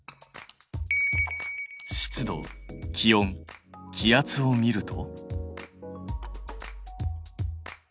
湿度気温気圧を見ると？